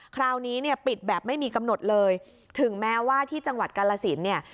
คราวนี้เนี่ยปิดแบบไม่มีกำหนดเลยถึงแม้ว่าที่จังหวัดกาลสินเนี่ย